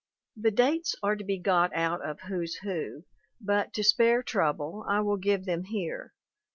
"The dates are to be got out of Who's Who, but to spare trouble I will give them here.